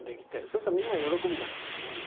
そうするとみんなが喜ぶじゃないですか。